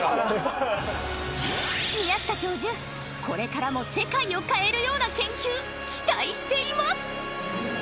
これからも世界を変えるような研究期待しています